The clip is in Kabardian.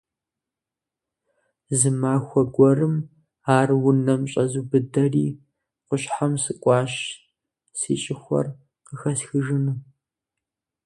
Зы махуэ гуэрым ар унэм щӀэзубыдэри, къущхьэм сыкӀуащ си щӀыхуэр къыхэсхыжыну.